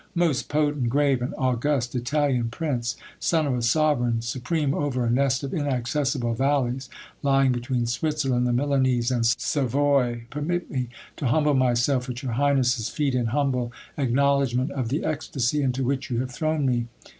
Most potent, grave, and august Italian prince, son of a sovereign, supreme over a nest of inaccessible valleys, lying between Switzerland, the Milanese, and Savoy, permit me to humble my self at your highness's feet, in humble acknowledgment of the ecstasy into which you have thrown me.